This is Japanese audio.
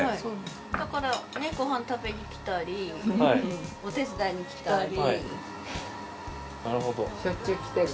だからご飯食べに来たりお手伝いに来たり。